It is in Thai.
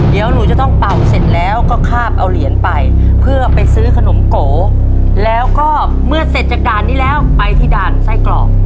เดี๋ยวหนูจะต้องเป่าเสร็จแล้วก็คาบเอาเหรียญไปเพื่อไปซื้อขนมโกแล้วก็เมื่อเสร็จจากด่านนี้แล้วไปที่ด่านไส้กรอก